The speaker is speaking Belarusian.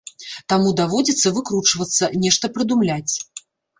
Таму даводзіцца выкручвацца, нешта прыдумляць.